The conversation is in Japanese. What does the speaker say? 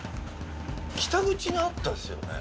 北口にあったですよね？